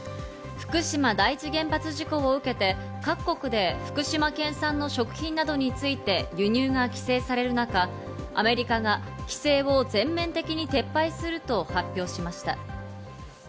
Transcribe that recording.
福島第一原発事故を受けて、各国で福島県産の食品などについて輸入が規制される中、アメリカが規制を全面的に撤廃すると発表しました。